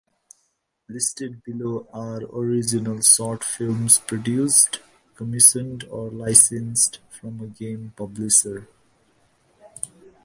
Listed below are original short films produced, commissioned or licensed from a game publisher.